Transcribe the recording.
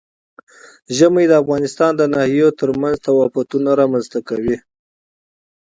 ژمی د افغانستان د ناحیو ترمنځ تفاوتونه رامنځ ته کوي.